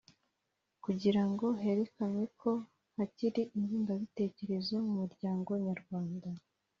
kugira ngo herekanwe ko hakiriho ingengabitekerezo mu muryango nyarwanda